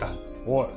おい。